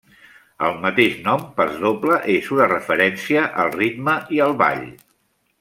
El mateix nom, pasdoble, és una referència al ritme i al ball.